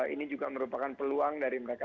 ini juga merupakan peluang dari mereka